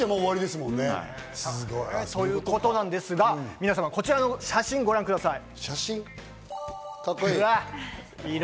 すごい。ということなんですが、皆様こちらの写真をご覧ください。